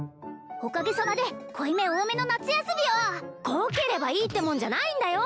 おかげさまで濃いめ多めの夏休みを濃ければいいってもんじゃないんだよ！